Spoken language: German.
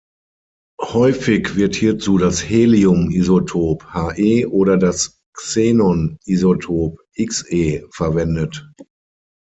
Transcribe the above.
Häufig wird hierzu das Helium-Isotop He oder das Xenon-Isotop Xe verwendet.